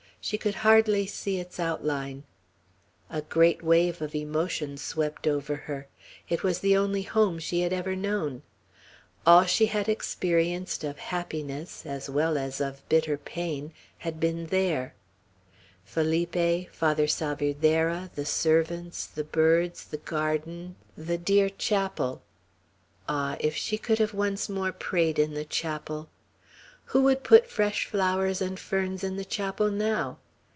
She could hardly see its outline. A great wave of emotion swept over her. It was the only home she had ever known. All she had experienced of happiness, as well as of bitter pain, had been there, Felipe, Father Salvierderra, the servants, the birds, the garden, the dear chapel! Ah, if she could have once more prayed in the chapel! Who would put fresh flowers and ferns in the chapel now?